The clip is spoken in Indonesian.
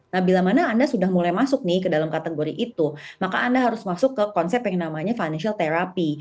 nah bila mana anda sudah mulai masuk nih ke dalam kategori itu maka anda harus masuk ke konsep yang namanya financial therapy